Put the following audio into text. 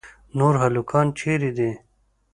نور هلکان چیرې دي؟